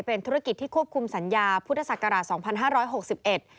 เป็นธุรกิจที่ควบคุมสัญญาพุทธศักราช๒๕๖๑